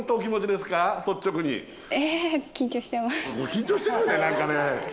え緊張してくるね何かね。